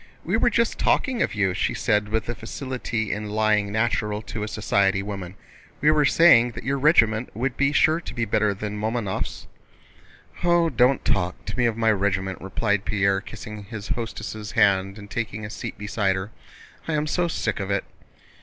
"We were just talking of you," she said with the facility in lying natural to a society woman. "We were saying that your regiment would be sure to be better than Mamónov's." "Oh, don't talk to me of my regiment," replied Pierre, kissing his hostess' hand and taking a seat beside her. "I am so sick of it."